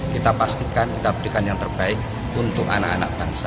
kita pastikan kita berikan yang terbaik untuk anak anak bangsa